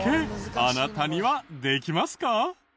あなたにはできますか？